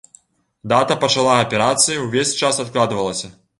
Дата пачала аперацыі ўвесь час адкладвалася.